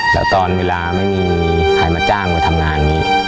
แล้วตอนเวลาไม่มีใครมาจ้างมาทำงานนี้